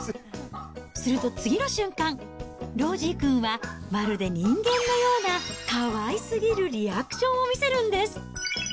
すると次の瞬間、ロージーくんはまるで人間のようなかわいすぎるリアクションを見せるんです。